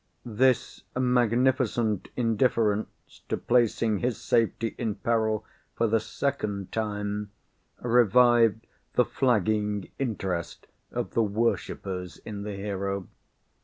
This magnificent indifference to placing his safety in peril for the second time, revived the flagging interest of the worshippers in the hero.